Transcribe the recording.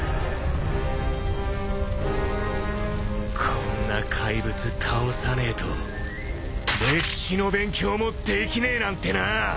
こんな怪物倒さねえと歴史の勉強もできねえなんてなぁ！